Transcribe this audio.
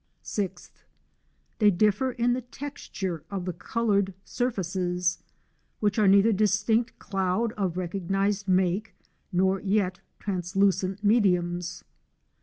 (6) Tliey differ in the texture of the coloured surfaces, which are neither distinct cloud of recognised make nor yet translucent mediums.